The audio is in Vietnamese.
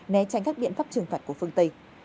né tránh các biện pháp trừng phạt của phương tây